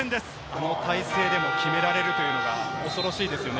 あの体勢でも決められるのが恐ろしいですね。